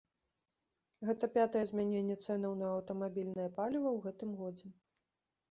Гэта пятае змяненне цэнаў на аўтамабільнае паліва ў гэтым годзе.